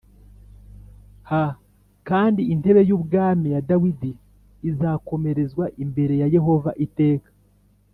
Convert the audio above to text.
H kandi intebe y ubwami ya dawidi izakomerezwa imbere yayehova iteka